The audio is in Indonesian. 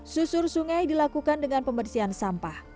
susur sungai dilakukan dengan pembersihan sampah